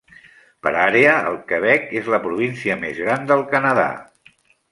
Per àrea, el Quebec es la província més gran del Canadà.